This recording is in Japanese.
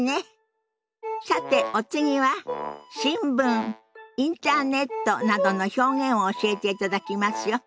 さてお次は「新聞」「インターネット」などの表現を教えていただきますよ。